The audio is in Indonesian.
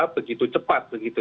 begitu cepat begitu